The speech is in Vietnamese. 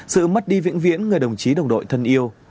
sự mất đi vĩnh viễn người đồng chí đồng đội thân yêu